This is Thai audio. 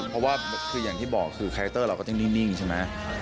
เพราะว่าคืออย่างที่บอกคือคาแคคเตอร์เราก็ต้องนิ่งใช่ไหม